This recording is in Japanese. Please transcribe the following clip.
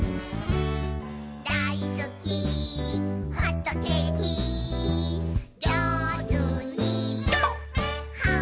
「だいすきホットケーキ」「じょうずにはんぶんこ！」